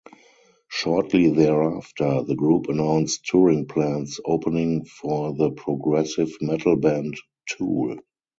Shortly thereafter, the group announced touring plans opening for the progressive metal band Tool.